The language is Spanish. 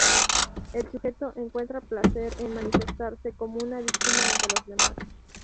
El sujeto encuentra placer en manifestarse como una víctima ante los demás.